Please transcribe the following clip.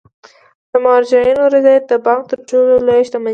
د مراجعینو رضایت د بانک تر ټولو لویه شتمني ده.